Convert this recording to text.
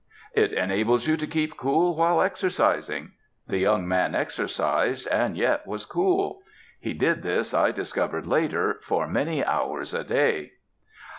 "IT ENABLES YOU TO KEEP COOL WHILE EXERCISING." The young man exercised, and yet was cool. He did this, I discovered later, for many hours a day.